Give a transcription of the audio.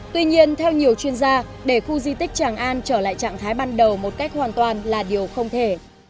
tuy nhiên theo nhiều chuyên gia để khu di tích tràng an trở lại trạng thái ban đầu một cách hoàn toàn là điều không thể